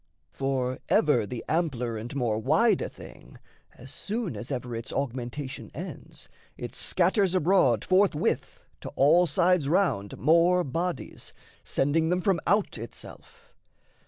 For ever the ampler and more wide a thing, As soon as ever its augmentation ends, It scatters abroad forthwith to all sides round More bodies, sending them from out itself.